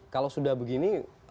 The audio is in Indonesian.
kalau sudah begini